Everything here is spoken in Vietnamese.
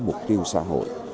mục tiêu xã hội